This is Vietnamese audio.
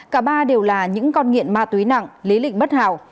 cả ba đều là những con nghiện ma túy nặng lý lịnh bất hảo